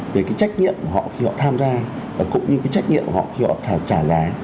về cái trách nhiệm của họ khi họ tham gia và cũng như cái trách nhiệm của họ khi họ trả giá